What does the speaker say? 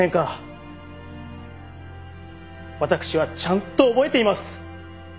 私はちゃんと覚えています。